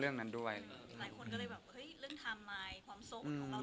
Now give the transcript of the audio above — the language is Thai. จริงแล้วเราเราชี้แจ้งได้ไหมว่าเราจริงแล้วเราโสดยังไง